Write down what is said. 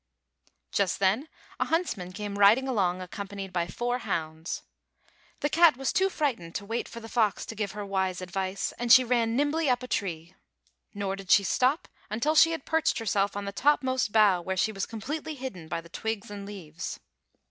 Just then a huntsman came riding along accompanied by four hounds. The cat was too frightened to wait for the fox to give her wise advice, and she ran nimbly up a tree. 214 Fairy Tale Foxes Nor did she stop until she had perched her self on the topmost bough where she was completely hidden by the twigs and leaves.